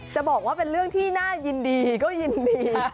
จะบอกว่าเป็นเรื่องที่น่ายินดีก็ยินดี